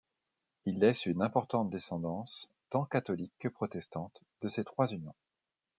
Il laisse une importante descendance tant catholique que protestante de ses trois unions.